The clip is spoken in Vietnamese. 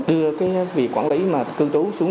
đưa việc quản lý cư trú xuống